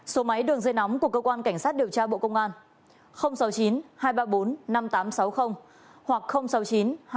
số máy đường dây nóng của cơ quan cảnh sát điều tra bộ công an sáu mươi chín hai trăm ba mươi bốn năm nghìn tám trăm sáu mươi hoặc sáu mươi chín hai trăm ba mươi một hai nghìn sáu trăm bảy